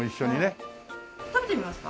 食べてみますか？